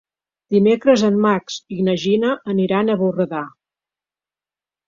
Dimecres en Max i na Gina aniran a Borredà.